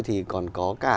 thì còn có cả